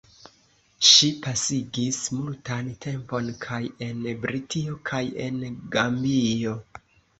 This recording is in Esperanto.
Ŝi pasigis multan tempon kaj en Britio kaj en Gambio.